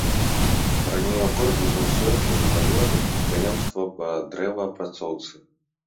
Раней у горадзе быў свой хлебазавод і прадпрыемства па дрэваапрацоўцы.